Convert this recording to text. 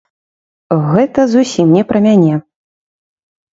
Гэта зусім не пра мяне.